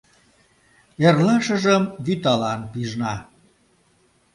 Эрлашыжым вӱталан пижна.